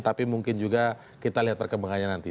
tapi mungkin juga kita lihat perkembangannya nanti